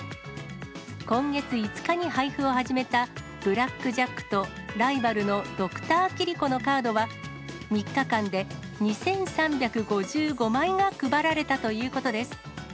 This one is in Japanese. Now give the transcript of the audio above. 今月５日に配布を始めたブラック・ジャックとライバルのドクターキリコのカードは、３日間で２３５５枚が配られたということです。